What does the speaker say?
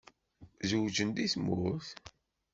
Zewǧen deg tmurt?